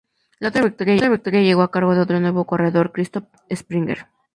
La otra victoria llegó a cargo de otro nuevo corredor: Christoph Springer.